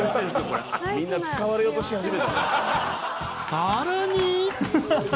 ［さらに］